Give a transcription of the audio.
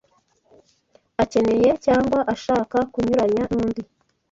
akeneye cyangwa ashaka kunyuranya nundi